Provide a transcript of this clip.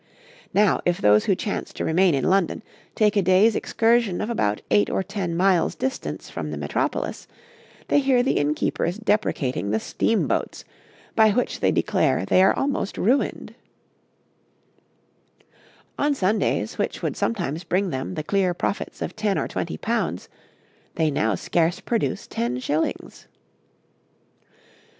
'Now, if those who chance to remain in London take a day's excursion of about eight or ten miles distance from the Metropolis, they hear the innkeepers deprecating the steamboats, by which they declare they are almost ruined: on Sundays, which would sometimes bring them the clear profits of ten or twenty pounds, they now scarce produce ten shillings.